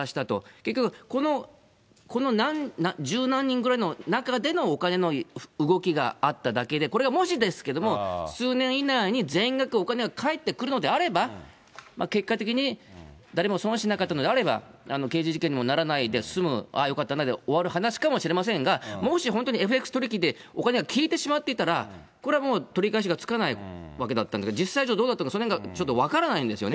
結局、この十何人ぐらいの中でのお金の動きがあっただけで、これがもしですけれども、数年以内に全額お金が返ってくるのであれば、結果的に誰も損しなかったのであれば、刑事事件にならないで済む、ああ、よかったなで終わる話かもしれませんが、もし、本当にＦＸ取引でお金が消えてしまっていたら、これはもう取り返しがつかないわけだったので、実際、どうだったか、そのへんが分からないんですよね。